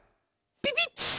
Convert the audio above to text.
ピピッ！